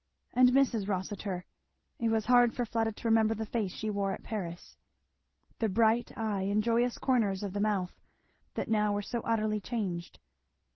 And Mrs. Rossitur, it was hard for Fleda to remember the face she wore at Paris, the bright eye and joyous corners of the mouth, that now were so utterly changed.